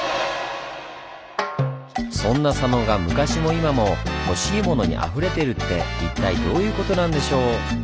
そんな佐野が昔も今も「ほしいモノ」にあふれてるって一体どういうことなんでしょう？